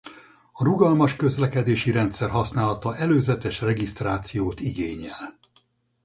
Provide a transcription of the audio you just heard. A rugalmas közlekedési rendszer használata előzetes regisztrációt igényel.